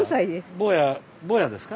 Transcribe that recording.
坊や坊やですか？